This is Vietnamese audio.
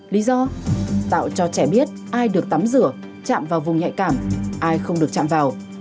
lý do tạo cho trẻ biết ai được tắm rửa chạm vào vùng nhạy cảm ai không được chạm vào